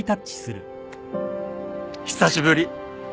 久しぶり。